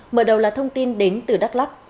mở đầu là thông tin đến từ đắk lắk